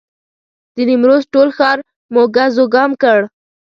د نیمروز ټول ښار مو ګز وګام کړ.